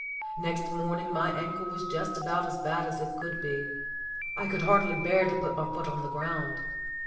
Next morning my ankle was just about as bad as it could be. I could hardly bear to put my foot on the ground.